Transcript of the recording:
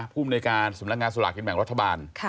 ภูมิในการสำนักงานสลากกินแบ่งรัฐบาล